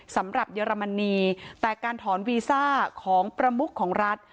สำหรับเยอรมนีแต่การถอนวีซ่าของประมุขของรัฐ